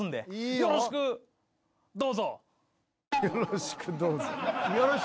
「よろしくどうぞ」